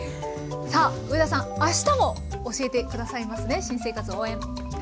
さあ上田さんあしたも教えて下さいますね新生活応援。